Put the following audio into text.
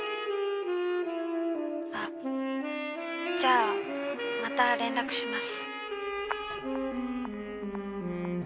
☎じゃあまた連絡します